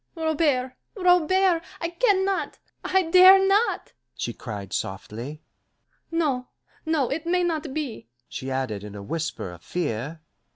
"Robert, Robert! I can not, I dare not!" she cried softly. "No, no, it may not be," she added in a whisper of fear.